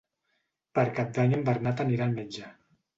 Per Cap d'Any en Bernat anirà al metge.